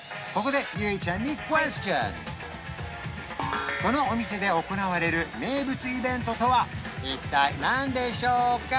ここでこのお店で行われる名物イベントとは一体何でしょうか？